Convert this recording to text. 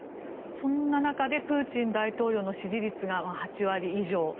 そんな中でプーチン大統領ンの支持率が８割以上。